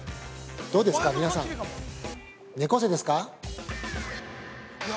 どうですか皆さん猫背ですか？